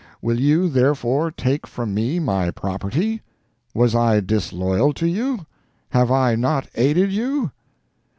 Will you, therefore, take from me my property? Was I disloyal to you? Have I not aided you?"